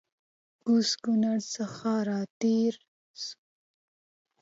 کوز کونړ څخه راتېر سوو